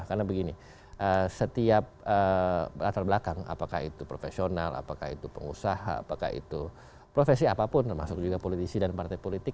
karena begini setiap latar belakang apakah itu profesional apakah itu pengusaha apakah itu profesi apapun termasuk juga politisi dan partai politik